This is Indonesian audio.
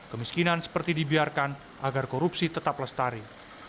kemiskinan seperti dibiarkan agar korupsi tetap lestari